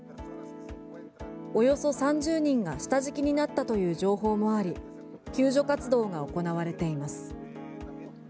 およそ３０人が下敷きになったという情報もあり救助活動が行われています。